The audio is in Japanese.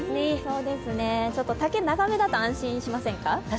丈が長めだと安心しませんか？